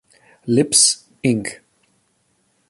Lipps, Inc.